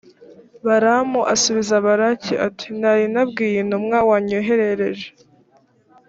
balamu asubiza balaki, ati nari nabwiye intumwa wanyoherereje.